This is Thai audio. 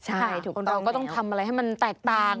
ใช่ถูกคนเราก็ต้องทำอะไรให้มันแตกต่าง